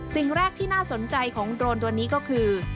สิ่งแรกที่น่าสนใจของโดรนตัวนี้ก็คือ